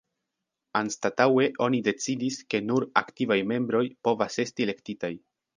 Anstataŭe oni decidis, ke nur "aktivaj membroj" povas esti elektitaj.